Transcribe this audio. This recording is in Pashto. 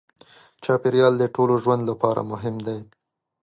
چاپېریال د ټولو ژوند لپاره مهم دی.